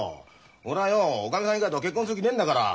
俺はよおかみさん以外とは結婚する気ねえんだから。